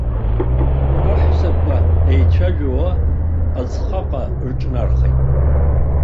Аҳәсақәа еицәажәауа аӡхаҟа рҿынархеит.